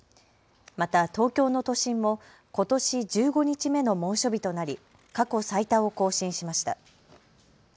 また東京の都心もことし１５日目の猛暑日となり過去最多を更新しました。